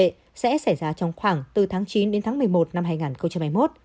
nóng sẽ xảy ra trong khoảng từ tháng chín đến tháng một mươi một năm hai nghìn hai mươi một